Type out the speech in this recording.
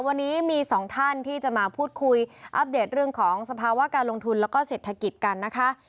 วันนี้มีสองท่านที่จะมาพูดคุยอัปเดตเรื่องของสภาวะการลงทุนแล้วก็เศรษฐกิจกันนะคะ